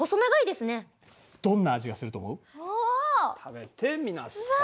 食べてみなさい。